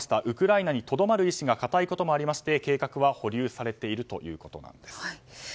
ウクライナにとどまる意志が固いこともありまして計画は保留されているということです。